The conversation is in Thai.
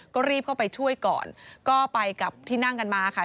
ก็รีบเข้าไปช่วยก่อนก็ไปกับที่นั่งกันมาค่ะ